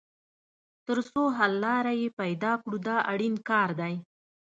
تر څو حل لاره یې پیدا کړو دا اړین کار دی.